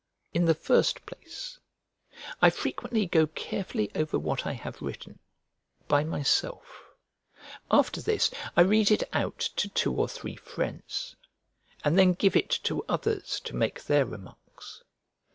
In the first place, I frequently go carefully over what I have written, by myself, after this I read it out to two or three friends, and then give it to others to make their remarks.